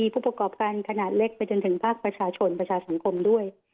ผู้ประกอบการขนาดเล็กไปจนถึงภาคประชาชนประชาสังคมด้วย